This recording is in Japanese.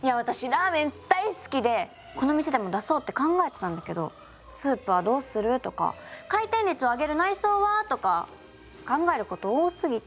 ラーメン大好きでこの店でも出そうって考えてたんだけどスープはどうする？とか回転率を上げる内装は？とか考えること多すぎて。